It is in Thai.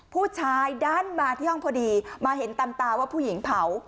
ผู้ชายดันมาที่ห้องพอดีมาเห็นตามตาว่าผู้หญิงเผา